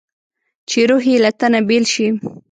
چې روح یې له تنه بېل شي.